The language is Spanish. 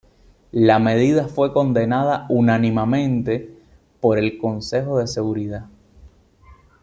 La medida fue condenada unánimemente por el Consejo de Seguridad.